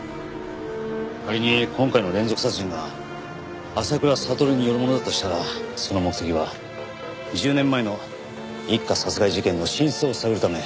仮に今回の連続殺人が浅倉悟によるものだとしたらその目的は１０年前の一家殺害事件の真相を探るため。